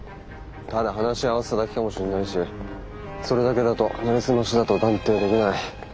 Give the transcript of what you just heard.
ただ話合わせただけかもしれないしそれだけだとなりすましだと断定できない。